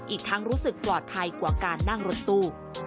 อีกทั้งรู้สึกปลอดภัยกว่าการนั่งรถตู้